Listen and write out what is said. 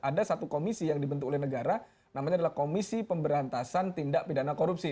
ada satu komisi yang dibentuk oleh negara namanya adalah komisi pemberantasan tindak pidana korupsi